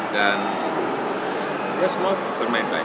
dan ya semua bermain baik